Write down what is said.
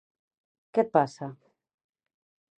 Què et passa?